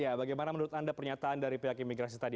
ya bagaimana menurut anda pernyataan dari pihak imigrasi tadi